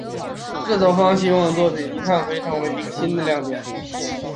制作方希望这作中的泰伊可以成为一个新的亮点。